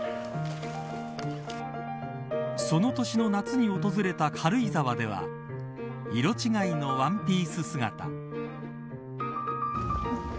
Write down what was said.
その年の夏に訪れた軽井沢では色違いのワンピース姿。